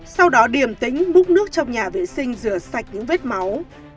sau đó điểm tính búc nước trong nhà vệ sinh rửa sạch những vết máu